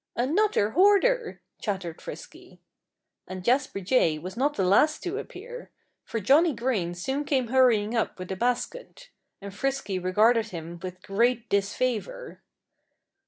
"Another hoarder!" chattered Frisky. And Jasper Jay was not the last to appear. For Johnnie Green soon came hurrying up with a basket. And Frisky regarded him with great disfavor.